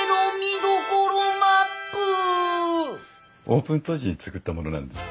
オープン当時に作ったものなんです。